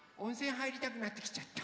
はいりたくなってきちゃった。